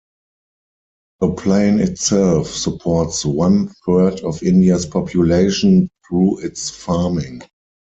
The plain itself supports one-third of India's population through its farming.